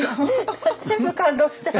全部感動しちゃう。